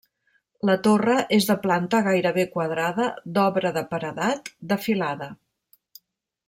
La torre és de planta gairebé quadrada, d'obra de paredat, de filada.